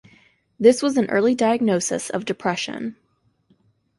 This was an early diagnosis of depression.